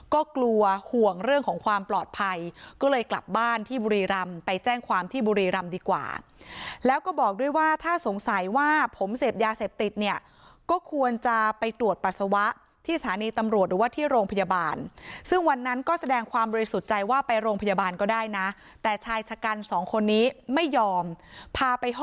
ก็กลัวห่วงเรื่องของความปลอดภัยก็เลยกลับบ้านที่บุรีรำไปแจ้งความที่บุรีรำดีกว่าแล้วก็บอกด้วยว่าถ้าสงสัยว่าผมเสพยาเสพติดเนี่ยก็ควรจะไปตรวจปัสสาวะที่สถานีตำรวจหรือว่าที่โรงพยาบาลซึ่งวันนั้นก็แสดงความบริสุทธิ์ใจว่าไปโรงพยาบาลก็ได้นะแต่ชายชะกันสองคนนี้ไม่ยอมพาไปห